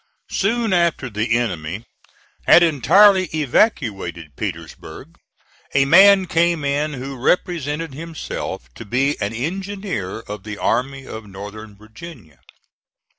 Soon after the enemy had entirely evacuated Petersburg, a man came in who represented himself to be an engineer of the Army of Northern Virginia.